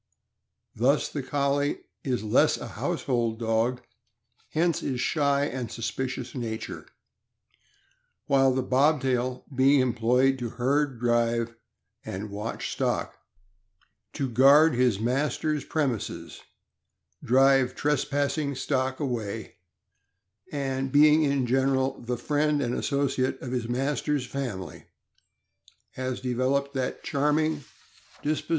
Thus the Collie is less a household dog, hence his shy and suspicious nature; while the Bobtail, being employed to herd, drive, and watch stock, to guard his master's premises, drive trespassing stock away, and being in general the friend and associate of his master's family, has developed that charming dispo THE OLD ENGLISH SHEEP DOG.